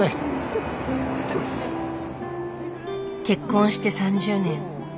結婚して３０年。